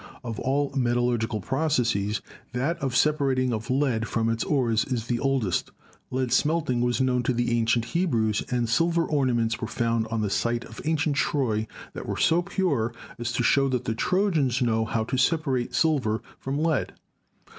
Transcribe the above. Of all metallurgical processes, that of the separating of lead from its ores is the oldest. Lead MINING AND METALLURGY 287 smelting was known to the ancient Hebrews, and silver ornaments were found on the site of ancient Troy that were so pure as to show that the Trojans know how to separate silver from lead.